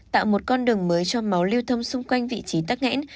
tạo một con đường mới cho máu lưu thông xung quanh vị trí tắc nghẽn